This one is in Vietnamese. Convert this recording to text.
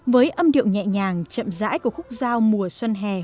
với âm điệu nhẹ nhàng chậm rãi của khúc giao mùa xuân hè hoặc sáng